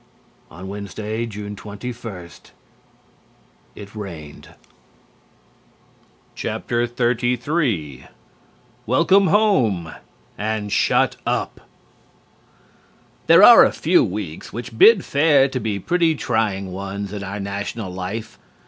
On Wednesday, June 21, it rained. XXXIII WELCOME HOME AND SHUT UP! There are a few weeks which bid fair to be pretty trying ones in our national life.